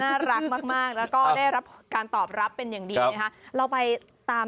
น่ารักมากและก็ได้รับการตอบรับเป็นอย่างดีแรงค่ะ